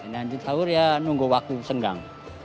lanjut sahur ya nunggu waktu senggang